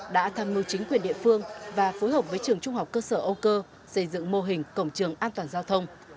đã tham mưu chính quyền địa phương và phối hợp với trường trung học cơ sở âu cơ xây dựng mô hình cổng trường an toàn giao thông